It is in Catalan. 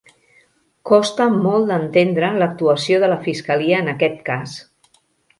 Costa molt d'entendre l'actuació de la fiscalia en aquest cas